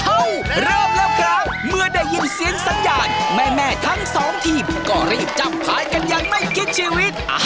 โอ้โฮรอบแล้วครับเมืองได้ยินเสียงสัญญาณแม่แม่ทั้งสองทีมก็ฟังได้ยิดจำพายกันยังไม่คิดชีวิตโอ้โฮ